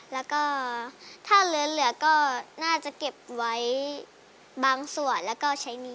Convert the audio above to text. แล้วก็ถ้าเหลือก็น่าจะเก็บไว้บางส่วนแล้วก็ใช้หนี้